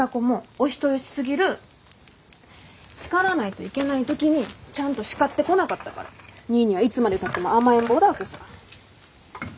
叱らないといけない時にちゃんと叱ってこなかったからニーニーはいつまでたっても甘えん坊だわけさ。